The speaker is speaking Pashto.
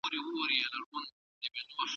که تاسې وغواړئ، موږ به پیاده لاړ شو.